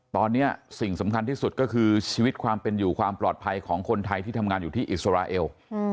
ตอนนี้สิ่งสำคัญที่สุดก็คือชีวิตความเป็นอยู่ความปลอดภัยของคนไทยที่ทำงานอยู่ที่อิสราเอล